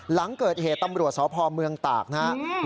หลังเกิดเหตุตำรวจสพเมืองตากนะครับ